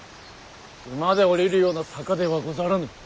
馬で下りるような坂ではござらぬ。